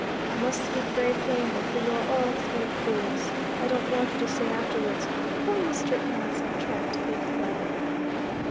I must speak very plainly, for you are all three fools. I don't want you to say afterwards, 'Poor Mr. Ansell tried to be clever.